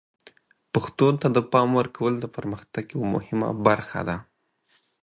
پښتو ته د پام ورکول د پرمختګ یوه مهمه برخه ده.